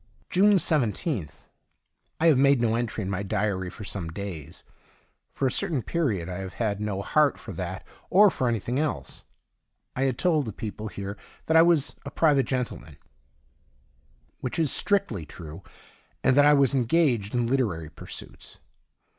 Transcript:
June nth. — I have made no entry in my diary for some days. For a certain period I have had no heart for that or for anything else. I had told the people here that I was a private gentleman (which is sti ictly true), and that I was engaged in literary pursuits.